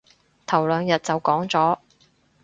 頭兩日就講咗